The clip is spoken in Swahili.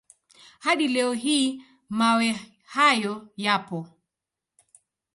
Hadi leo hii mawe hayo yapo.